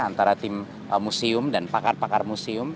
antara tim museum dan pakar pakar museum